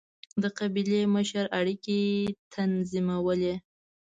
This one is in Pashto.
د قبیلې مشر اړیکې تنظیمولې.